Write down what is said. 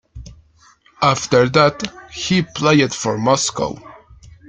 After that, he played for Moscow.